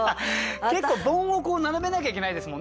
結構ボンを並べなきゃいけないですもんね。